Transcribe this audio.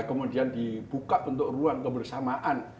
kemudian dibuka bentuk ruang kebersamaan